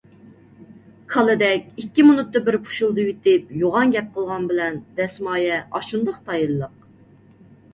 كالىدەك ئىككى مېنۇتتا بىر پۇشۇلدىۋېتىپ يوغان گەپ قىلغان بىلەن دەسمايە ئاشۇنداق تايىنلىق.